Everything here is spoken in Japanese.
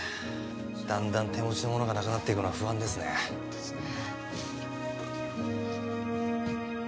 だんだん手持ちの物がなくなっていくのは不安ですねですね